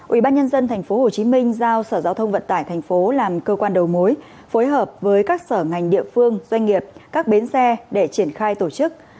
ủy ban nhân dân tp hcm giao sở giao thông vận tải thành phố làm cơ quan đầu mối phối hợp với các sở ngành địa phương doanh nghiệp các bến xe để triển khai tổ chức